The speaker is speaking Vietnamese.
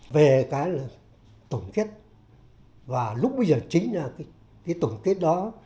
về cái là tổng kết và lúc bây giờ chính là cái tổng kết đó